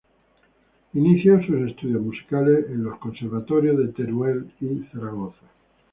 Inició sus estudios musicales en los conservatorios de Teruel y Zaragoza.